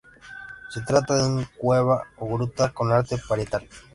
Se trata de una cueva o gruta con arte parietal.